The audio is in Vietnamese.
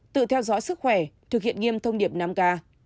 tự theo dõi sức khỏe thực hiện nghiêm thông điệp năm k